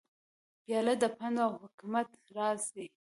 پیاله د پند و حکمت راز ده.